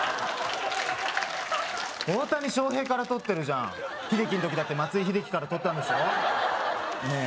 大谷翔平からとってるじゃんヒデキの時だって松井秀喜からとったんでしょねえ